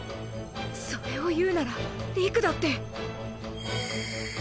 それを言うなら理玖だって。